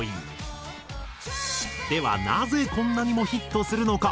ではなぜこんなにもヒットするのか？